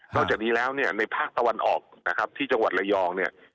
จากนี้แล้วเนี่ยในภาคตะวันออกนะครับที่จังหวัดระยองเนี่ย